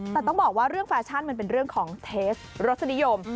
แต่ต้องบอกว่าเรื่องแฟชั่นมันเป็นเรื่องของเทสรสนิยม